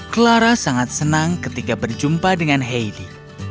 clara sangat senang ketika berjumpa dengan heidi